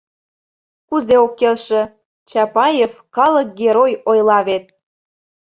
Кузе ок келше: Чапаев, калык герой, ойла вет!